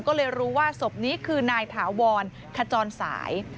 ก็เลยรู้ว่าศพนี้คือนายถาวรขจรสาย